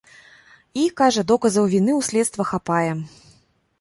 І, кажа, доказаў віны ў следства хапае.